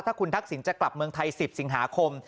ถ้าคุณทักษิณจะกลับเมืองไทย๑๐สิงหาคม